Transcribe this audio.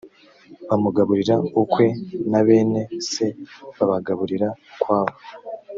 bamugaburira ukwe na bene se babagaburira ukwabo